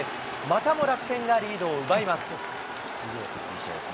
またも楽天がリードを奪います。